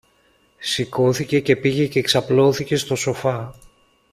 Σηκώθηκε και πήγε και ξαπλώθηκε στο σοφά.